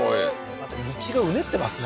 また道がうねってますね